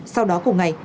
sau đó cùng ngày